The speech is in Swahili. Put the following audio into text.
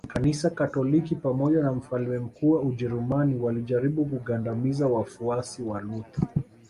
Kanisa Katoliki pamoja na mfalme mkuu wa Ujerumani walijaribu kugandamiza wafuasi wa Luther